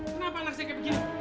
kenapa jadi kayak begini dok